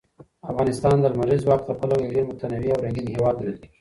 افغانستان د لمریز ځواک له پلوه یو ډېر متنوع او رنګین هېواد بلل کېږي.